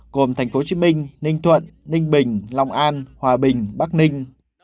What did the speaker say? cùng tp hcm ninh thuận ninh bình lòng an hòa bình bắc ninh